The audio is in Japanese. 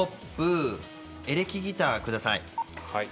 エレキギターください。